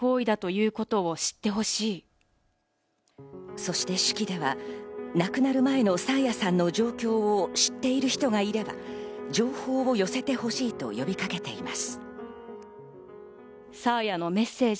そして手記では亡くなる前の爽彩さんの状況を知っている人がいれば情報を寄せてほしいと呼びかけています。